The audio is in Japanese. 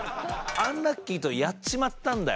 アンラッキーとヤっちまったんだよ。